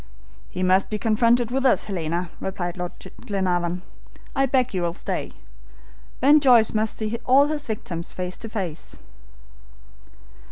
"He must be confronted with us, Helena," replied Lord Glenarvan; "I beg you will stay. Ben Joyce must see all his victims face to face."